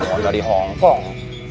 oh dari hongkong